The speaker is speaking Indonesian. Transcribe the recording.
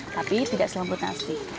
tapi tidak selambut nasi